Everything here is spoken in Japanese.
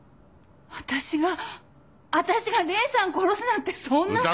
私が私が姉さんを殺すなんてそんな。